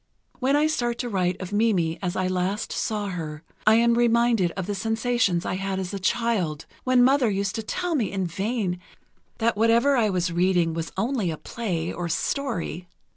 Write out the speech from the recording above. When I start to write of Mimi as I last saw her, I am reminded of the sensations I had as a child, when Mother used to tell me in vain that whatever I was reading was only a play or a story....